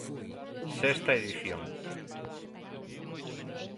Sexta edición.